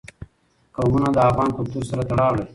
قومونه د افغان کلتور سره تړاو لري.